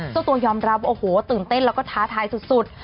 เจ้าตัวยอมรับว่าโอ้โหตื่นเต้นแล้วก็ท้าทายสุด